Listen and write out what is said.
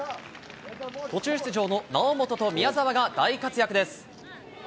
途中出場の猶本と宮澤が大活躍です。